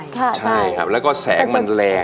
ใช่ครับแล้วก็แสงมันแรง